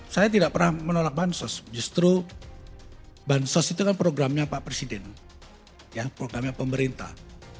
saya tidak pernah menolak bansos justru bansos itu kan programnya pak presiden ya programnya pemerintah